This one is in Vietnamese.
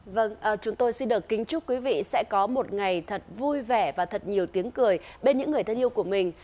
vâng chúng tôi xin được kính chúc quý vị sẽ có một ngày thật vui vẻ và thật nhiều tiếng cười bên những người thân yêu của mình